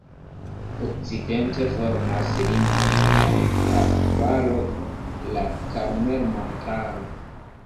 Okcidente formas limon al la valo la Karmel-montaro.